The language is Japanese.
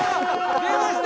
出ました！